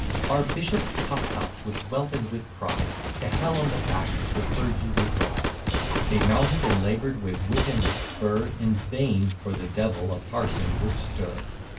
Our bishops, puft up with wealth and with pride, To hell on the backs of the clergy would ride. They mounted and labour'd with whip and with spur In vain for the devil a parson would stir.